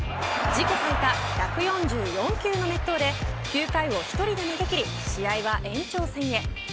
自己最多１４４球の熱投で９回を１人で投げ切り試合は延長戦へ。